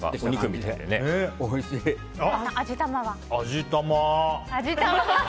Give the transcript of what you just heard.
味玉！